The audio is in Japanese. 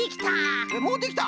えっもうできた？